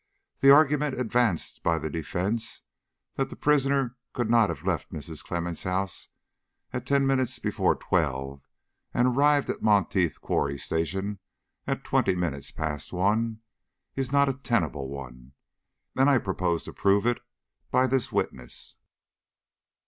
"The argument advanced by the defence, that the prisoner could not have left Mrs. Clemmens' house at ten minutes before twelve and arrived at Monteith Quarry Station at twenty minutes past one, is not a tenable one, and I purpose to prove it by this witness."